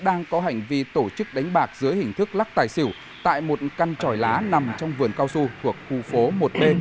đang có hành vi tổ chức đánh bạc dưới hình thức lắc tài xỉu tại một căn tròi lá nằm trong vườn cao su thuộc khu phố một b